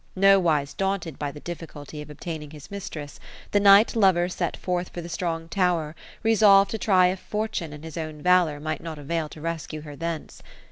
Nowise daunted by the difficulty of obtaining his mistress, the knight lover set fortb for the strong tower resolved to try if fortune and his own valor might not avail to rescue her thence.